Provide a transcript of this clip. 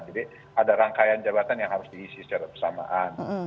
ada rangkaian jabatan yang harus diisi secara bersamaan